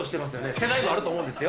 世代もあると思うんですよ。